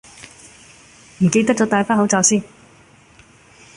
唔記得咗帶返個口罩先